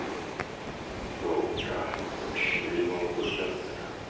そうか君もおとりだったか。